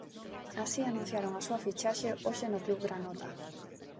Así anunciaron a súa fichaxe hoxe no club granota.